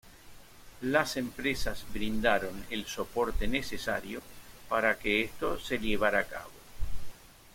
Las empresas brindaron el soporte necesario para que esto se llevara a cabo.